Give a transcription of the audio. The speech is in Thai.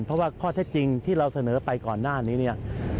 เพราะว่าข้อเท็จจริงที่เราเสนอไปก่อนหน้านี้เนี่ย